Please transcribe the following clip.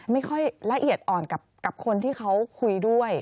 ไม่ค่อยละเอียดอ่อนกับคนที่เขาคุยด้วย